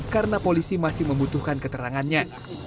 karena polisi masih membutuhkan keterangannya